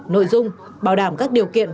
nội dung bảo đảm các điều kiện